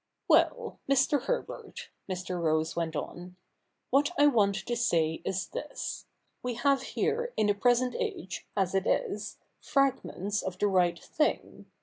' Well, Mr. Herbert,' Mr. Rose went on, ' what I want to say is this. We have here in the present age, as it is, \ fragments of the right thing.